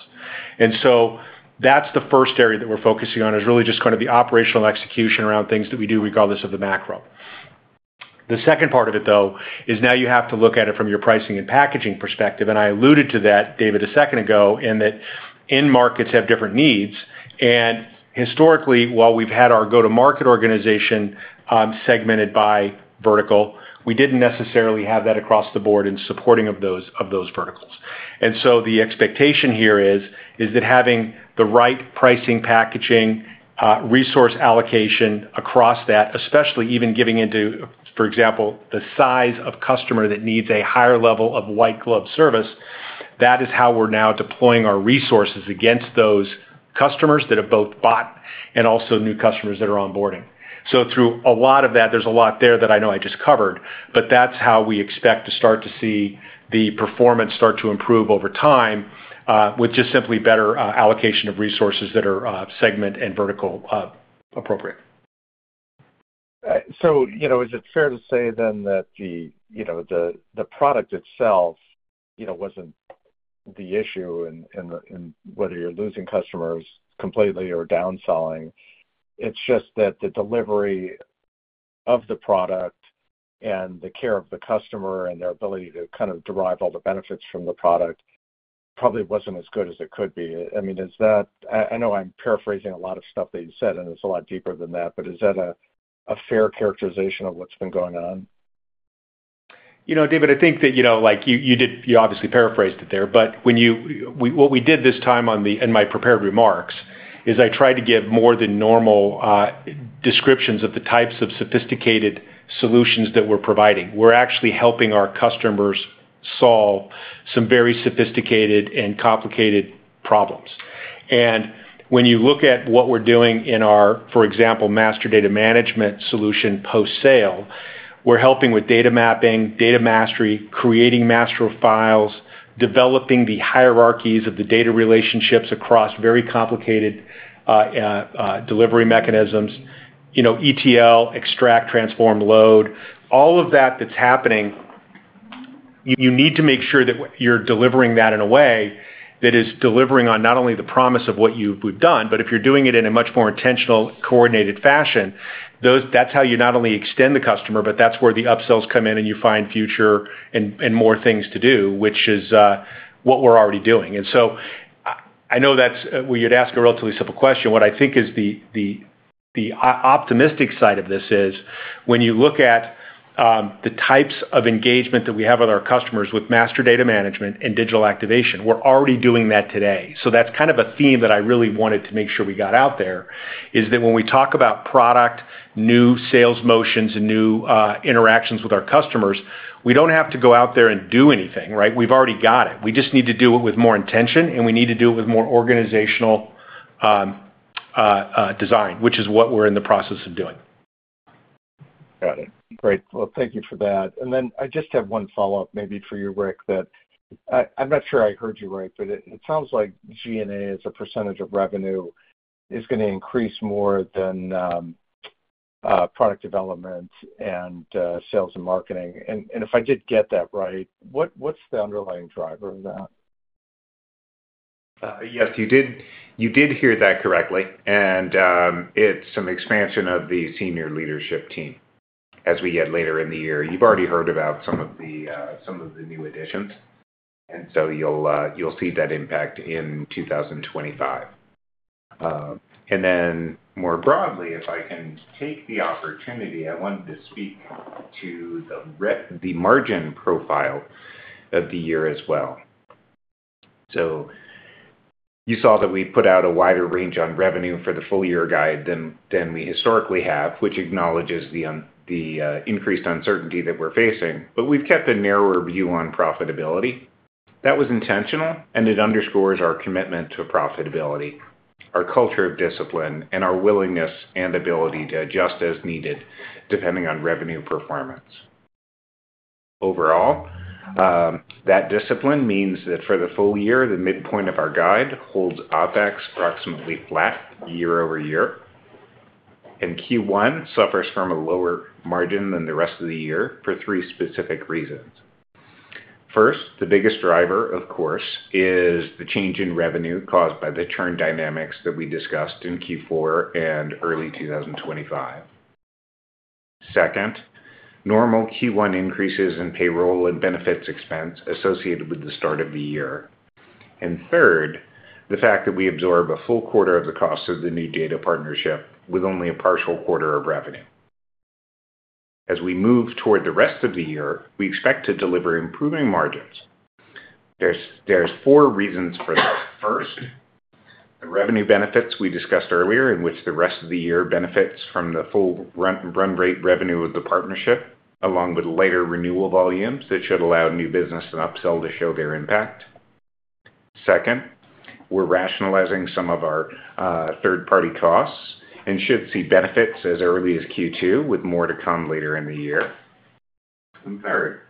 Speaker 3: That's the first area that we're focusing on is really just kind of the operational execution around things that we do regardless of the macro. The second part of it, though, is now you have to look at it from your pricing and packaging perspective. I alluded to that, David, a second ago in that end markets have different needs. Historically, while we've had our go-to-market organization segmented by vertical, we didn't necessarily have that across the board in supporting of those verticals. The expectation here is that having the right pricing, packaging, resource allocation across that, especially even giving into, for example, the size of customer that needs a higher level of white-glove service, that is how we're now deploying our resources against those customers that have both bought and also new customers that are onboarding. Through a lot of that, there's a lot there that I know I just covered, but that's how we expect to start to see the performance start to improve over time with just simply better allocation of resources that are segment and vertical appropriate.
Speaker 7: Is it fair to say then that the product itself wasn't the issue in whether you're losing customers completely or downselling? It's just that the delivery of the product and the care of the customer and their ability to kind of derive all the benefits from the product probably wasn't as good as it could be. I mean, is that—I know I'm paraphrasing a lot of stuff that you said, and it's a lot deeper than that, but is that a fair characterization of what's been going on?
Speaker 3: David, I think that you obviously paraphrased it there, but what we did this time in my prepared remarks is I tried to give more than normal descriptions of the types of sophisticated solutions that we're providing. We're actually helping our customers solve some very sophisticated and complicated problems. When you look at what we're doing in our, for example, master data management solution post-sale, we're helping with data mapping, data mastery, creating master files, developing the hierarchies of the data relationships across very complicated delivery mechanisms, ETL, extract, transform, load, all of that that's happening. You need to make sure that you're delivering that in a way that is delivering on not only the promise of what you've done, but if you're doing it in a much more intentional, coordinated fashion, that's how you not only extend the customer, but that's where the upsells come in and you find future and more things to do, which is what we're already doing. I know that you'd ask a relatively simple question. What I think is the optimistic side of this is when you look at the types of engagement that we have with our customers with master data management and digital activation, we're already doing that today. That is kind of a theme that I really wanted to make sure we got out there is that when we talk about product, new sales motions, and new interactions with our customers, we do not have to go out there and do anything, right? We've already got it. We just need to do it with more intention, and we need to do it with more organizational design, which is what we're in the process of doing.
Speaker 7: Got it. Great. Thank you for that. I just have one follow-up maybe for you, Rick, that I'm not sure I heard you right, but it sounds like G&A as a percentage of revenue is going to increase more than product development and sales and marketing. If I did get that right, what's the underlying driver of that?
Speaker 4: Yes, you did hear that correctly. It's some expansion of the senior leadership team as we get later in the year. You've already heard about some of the new additions, and you'll see that impact in 2025. More broadly, if I can take the opportunity, I wanted to speak to the margin profile of the year as well. You saw that we put out a wider range on revenue for the full-year guide than we historically have, which acknowledges the increased uncertainty that we're facing, but we've kept a narrower view on profitability. That was intentional, and it underscores our commitment to profitability, our culture of discipline, and our willingness and ability to adjust as needed depending on revenue performance. Overall, that discipline means that for the full year, the midpoint of our guide holds OpEx approximately flat year-over-year, and Q1 suffers from a lower margin than the rest of the year for three specific reasons. First, the biggest driver, of course, is the change in revenue caused by the churn dynamics that we discussed in Q4 and early 2025. Second, normal Q1 increases in payroll and benefits expense associated with the start of the year. Third, the fact that we absorb a full quarter of the cost of the new data partnership with only a partial quarter of revenue. As we move toward the rest of the year, we expect to deliver improving margins. There are four reasons for that. First, the revenue benefits we discussed earlier in which the rest of the year benefits from the full run rate revenue of the partnership along with later renewal volumes that should allow new business and upsell to show their impact. Second, we are rationalizing some of our third-party costs and should see benefits as early as Q2 with more to come later in the year. Third,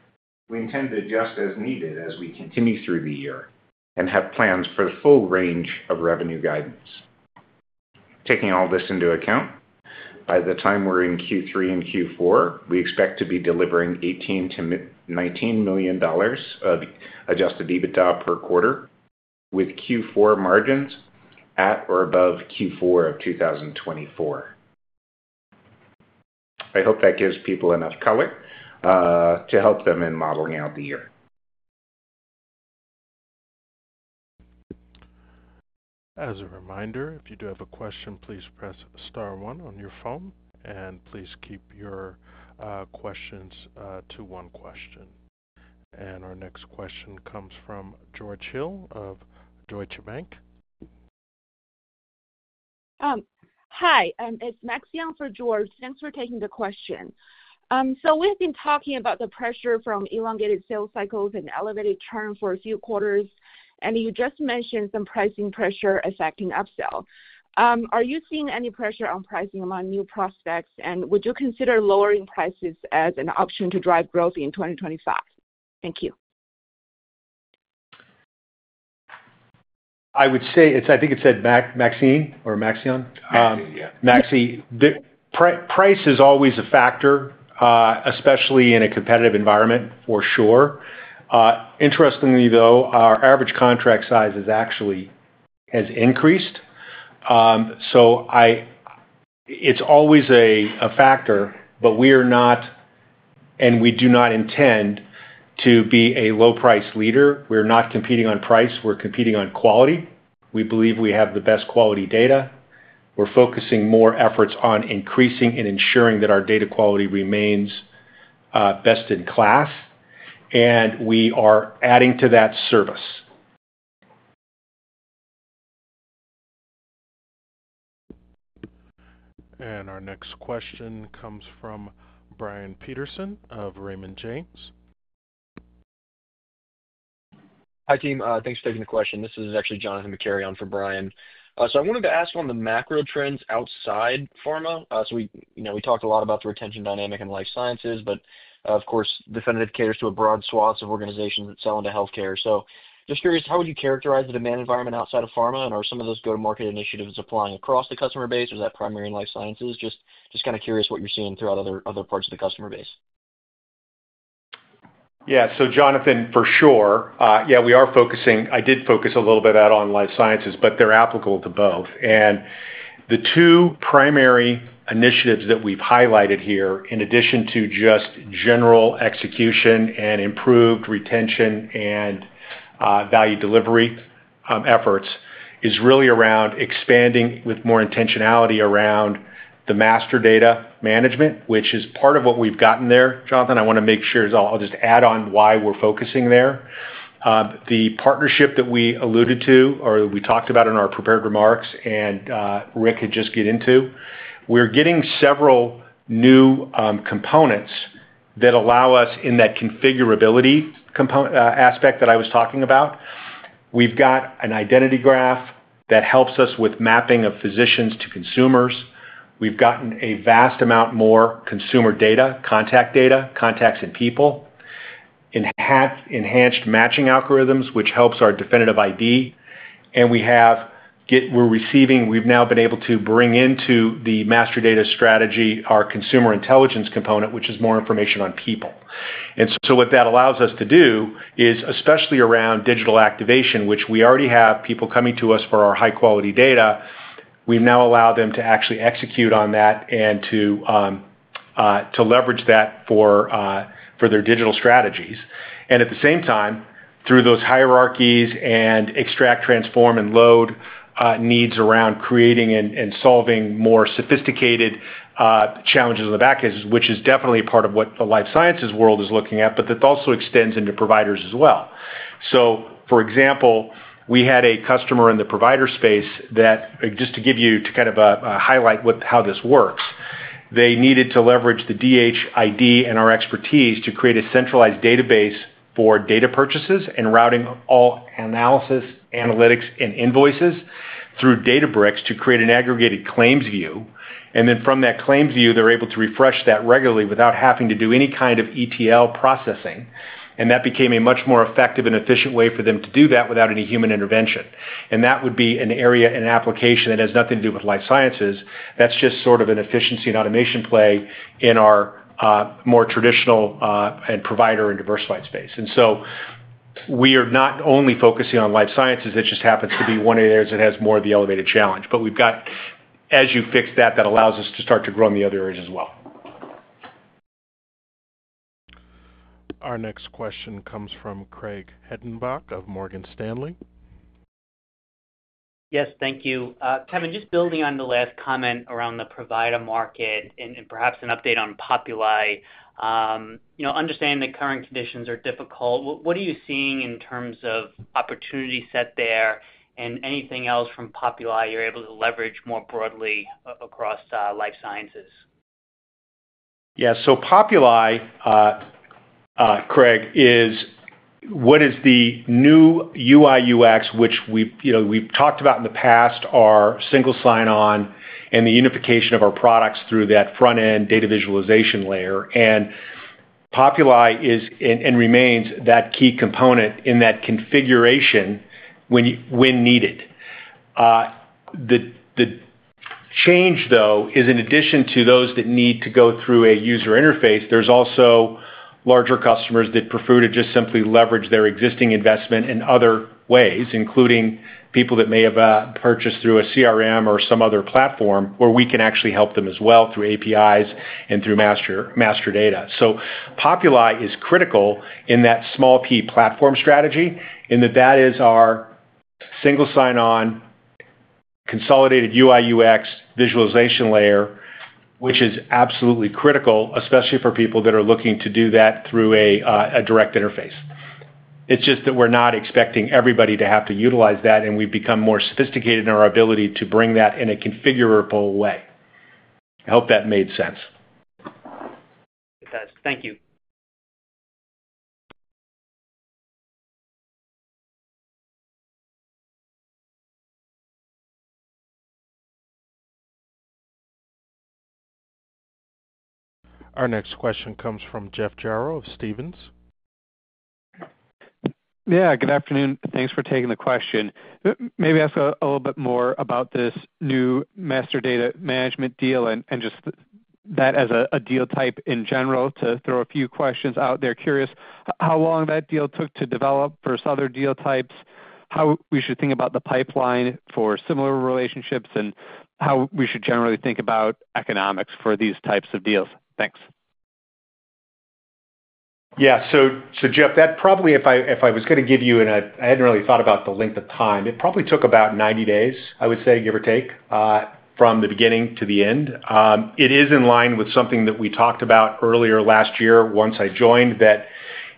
Speaker 4: we intend to adjust as needed as we continue through the year and have plans for the full range of revenue guidance. Taking all this into account, by the time we're in Q3 and Q4, we expect to be delivering $18-$19 million of adjusted EBITDA per quarter with Q4 margins at or above Q4 of 2024. I hope that gives people enough color to help them in modeling out the year.
Speaker 1: As a reminder, if you do have a question, please press star one on your phone, and please keep your questions to one question. Our next question comes from George Hill of Deutsche Bank. Hi. It's Maxian for George. Thanks for taking the question. We have been talking about the pressure from elongated sales cycles and elevated churn for a few quarters, and you just mentioned some pricing pressure affecting upsell. Are you seeing any pressure on pricing among new prospects, and would you consider lowering prices as an option to drive growth in 2025? Thank you.
Speaker 3: I would say it's, I think it said Maxine or Maxian. Maxie, yeah. Maxie. Price is always a factor, especially in a competitive environment, for sure. Interestingly, though, our average contract size has actually increased. So it's always a factor, but we are not and we do not intend to be a low-price leader. We're not competing on price. We're competing on quality. We believe we have the best quality data. We're focusing more efforts on increasing and ensuring that our data quality remains best in class, and we are adding to that service.
Speaker 1: Our next question comes from Brian Peterson of Raymond James.
Speaker 8: Hi, team. Thanks for taking the question. This is actually Jonathan McCarry on for Brian. I wanted to ask on the macro trends outside pharma. We talked a lot about the retention dynamic in life sciences, but of course, Definitive caters to a broad swath of organizations that sell into healthcare. Just curious, how would you characterize the demand environment outside of pharma, and are some of those go-to-market initiatives applying across the customer base, or is that primary in life sciences? Just kind of curious what you're seeing throughout other parts of the customer base.
Speaker 3: Yeah. Jonathan, for sure. Yeah, we are focusing, I did focus a little bit out on life sciences, but they're applicable to both. The two primary initiatives that we've highlighted here, in addition to just general execution and improved retention and value delivery efforts, is really around expanding with more intentionality around the master data management, which is part of what we've gotten there. Jonathan, I want to make sure I'll just add on why we're focusing there. The partnership that we alluded to or we talked about in our prepared remarks and Rick had just gotten into, we're getting several new components that allow us in that configurability aspect that I was talking about. We've got an identity graph that helps us with mapping of physicians to consumers. We've gotten a vast amount more consumer data, contact data, contacts and people, enhanced matching algorithms, which helps our Definitive ID. We have, we're receiving, we've now been able to bring into the master data strategy our consumer intelligence component, which is more information on people. What that allows us to do is, especially around digital activation, which we already have people coming to us for our high-quality data, we now allow them to actually execute on that and to leverage that for their digital strategies. At the same time, through those hierarchies and extract, transform, and load needs around creating and solving more sophisticated challenges in the back, which is definitely part of what the life sciences world is looking at, that also extends into providers as well. For example, we had a customer in the provider space that, just to kind of highlight how this works, they needed to leverage the DHID and our expertise to create a centralized database for data purchases and routing all analysis, analytics, and invoices through Databricks to create an aggregated claims view. From that claims view, they're able to refresh that regularly without having to do any kind of ETL processing. That became a much more effective and efficient way for them to do that without any human intervention. That would be an area and application that has nothing to do with life sciences. That's just sort of an efficiency and automation play in our more traditional and provider and diversified space. We are not only focusing on life sciences. It just happens to be one of the areas that has more of the elevated challenge. We've got, as you fix that, that allows us to start to grow in the other areas as well.
Speaker 1: Our next question comes from Craig Hettenbach of Morgan Stanley.
Speaker 9: Yes, thank you. Kevin, just building on the last comment around the provider market and perhaps an update on Populi, understanding the current conditions are difficult. What are you seeing in terms of opportunity set there and anything else from Populi you're able to leverage more broadly across life sciences?
Speaker 3: Yeah. Populi, Craig, is what is the new UI/UX, which we've talked about in the past, our single sign-on and the unification of our products through that front-end data visualization layer. Populi is and remains that key component in that configuration when needed. The change, though, is in addition to those that need to go through a user interface, there's also larger customers that prefer to just simply leverage their existing investment in other ways, including people that may have purchased through a CRM or some other platform where we can actually help them as well through APIs and through master data. Populi is critical in that small P platform strategy in that that is our single sign-on consolidated UI/UX visualization layer, which is absolutely critical, especially for people that are looking to do that through a direct interface. It's just that we're not expecting everybody to have to utilize that, and we've become more sophisticated in our ability to bring that in a configurable way. I hope that made sense.
Speaker 9: It does. Thank you.
Speaker 1: Our next question comes from Jeff Jaro of Stephens.
Speaker 10: Yeah. Good afternoon. Thanks for taking the question. Maybe ask a little bit more about this new master data management deal and just that as a deal type in general to throw a few questions out there. Curious how long that deal took to develop for other deal types, how we should think about the pipeline for similar relationships, and how we should generally think about economics for these types of deals. Thanks.
Speaker 3: Yeah. Jeff, that probably if I was going to give you an I hadn't really thought about the length of time. It probably took about 90 days, I would say, give or take, from the beginning to the end. It is in line with something that we talked about earlier last year once I joined that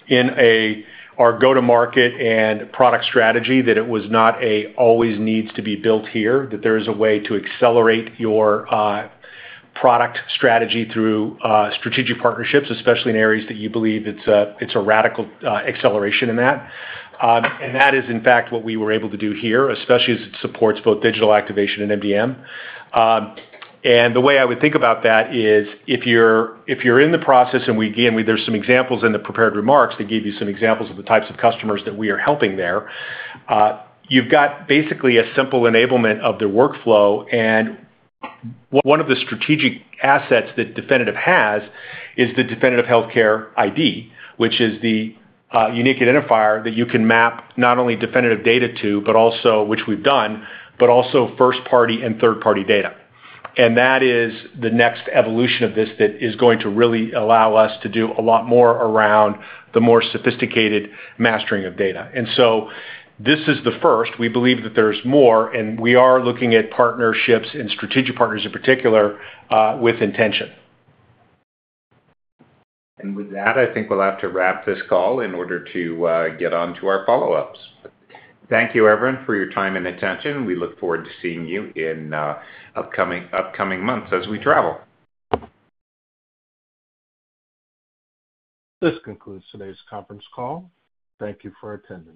Speaker 3: in our go-to-market and product strategy that it was not an always needs to be built here, that there is a way to accelerate your product strategy through strategic partnerships, especially in areas that you believe it's a radical acceleration in that. That is, in fact, what we were able to do here, especially as it supports both digital activation and MDM. The way I would think about that is if you're in the process and we again, there's some examples in the prepared remarks that gave you some examples of the types of customers that we are helping there. You've got basically a simple enablement of the workflow. One of the strategic assets that Definitive Healthcare has is the Definitive Healthcare ID, which is the unique identifier that you can map not only Definitive data to, but also, which we have done, but also first-party and third-party data. That is the next evolution of this that is going to really allow us to do a lot more around the more sophisticated mastering of data. This is the first. We believe that there is more, and we are looking at partnerships and strategic partners in particular with intention.
Speaker 2: With that, I think we will have to wrap this call in order to get on to our follow-ups. Thank you, everyone, for your time and attention. We look forward to seeing you in upcoming months as we travel.
Speaker 1: This concludes today's conference call. Thank you for attending.